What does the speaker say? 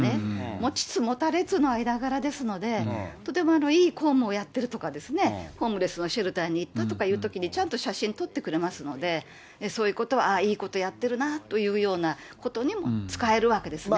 持ちつ持たれつの間柄ですので、とてもいい公務をやっているとか、ホームレスのシェルターに行ったとかいうときに、ちゃんと写真撮ってくれますので、そういうことは、ああ、いいことやってるなというようなことにも使えるわけですね。